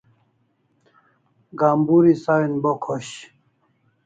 Gamburi sawin bo khosh